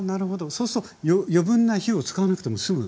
そうすると余分な火を使わなくても済む。